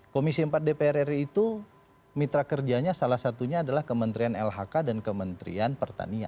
komisi empat dpr ri itu mitra kerjanya salah satunya adalah kementerian lhk dan kementerian pertanian